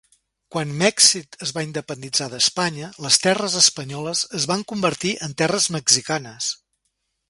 Quan Mèxic es va independitzar d'Espanya les terres espanyoles es van convertir en terres mexicanes.